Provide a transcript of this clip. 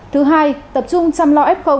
thứ hai tập trung chăm lo f